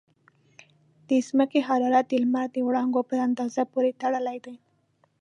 د ځمکې حرارت د لمر د وړانګو په اندازه پورې تړلی دی.